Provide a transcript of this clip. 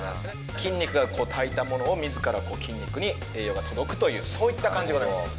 筋肉が炊いたものをみずから筋肉に栄養が届くという、そういった感じでございます。